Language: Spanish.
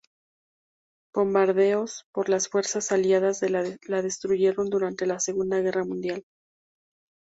Bombardeos por las fuerzas aliadas la destruyeron durante la Segunda Guerra Mundial.